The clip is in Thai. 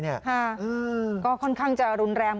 ค่ะก็ค่อนข้างจะรุนแรง